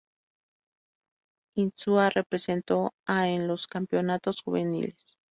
Insúa representó a en los campeonatos juveniles.